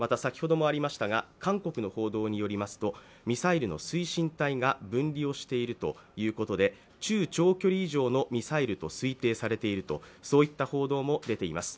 また、韓国の報道によりますと、ミサイルの推進体が分離をしているということで中長距離以上のミサイルと推定されているという報道も出ています。